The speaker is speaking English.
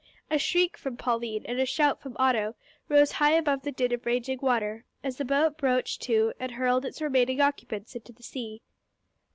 A shriek from Pauline and a shout from Otto rose high above the din of raging water, as the boat broached to and hurled its remaining occupants into the sea.